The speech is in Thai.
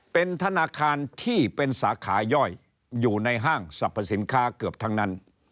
เป็นธนาคารที่เป็นสาขาย่อยอยู่ในห้างสรรพสินค้าเกือบทั้งนั้น